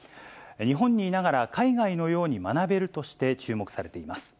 日本にいながら海外のように学べるとして注目されています。